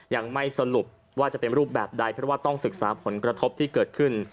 ยังไม่สรุปว่าจะเป็นรูปแบบใดเพราะว่าต้องศึกษาผลกระทบที่เกิดขึ้น